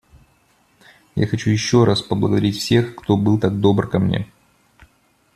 Я хочу еще раз поблагодарить всех, кто был так добр ко мне.